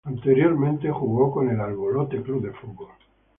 Anteriormente jugó con los Cincinnati Bengals.